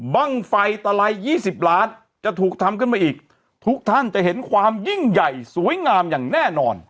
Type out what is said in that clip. บ้างไฟตะไล๒๐ล้านจะถูกทำขึ้นมาอีกทุกท่านจะเห็นความยิ่งใหญ่สวยงามอย่างแน่นอน